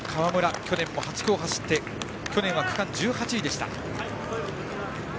去年も８区で去年は区間１８位でした。